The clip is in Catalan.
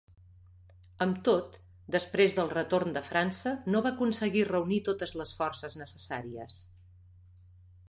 Amb tot, després del retorn de França no va aconseguir reunir totes les forces necessàries.